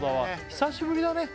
久しぶりだね